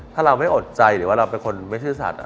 ถ้าเราไม่อดใจหรือว่าเราเป็นคนไม่ซื่อสัตว์